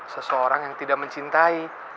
seseorang yang tidak mencintai